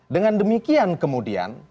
dengan demikian kemudian